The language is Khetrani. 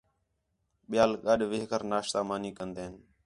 ٻِیال گڈ وہ کر ناشتہ، مانی کندین